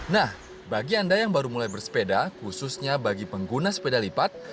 nah bagi anda yang baru mulai bersepeda khususnya bagi pengguna sepeda lipat